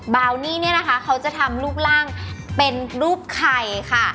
บาวนี่เนี่ยนะคะเขาจะทำรูปร่างเป็นรูปไข่ค่ะ